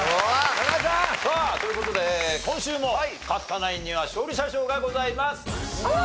さあという事で今週も勝ったナインには勝利者賞がございます。